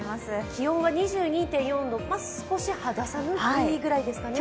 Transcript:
気温は２２．４度、少し肌寒いくらいですかね。